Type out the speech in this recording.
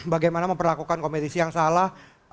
bagaimana memperlakukan kompetisi yang salah